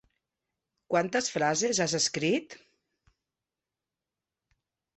Quantes frases has escrit?